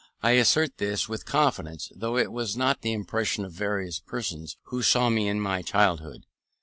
I assert this with confidence, though it was not the impression of various persons who saw me in my childhood.